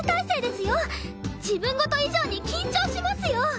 自分事以上に緊張しますよ！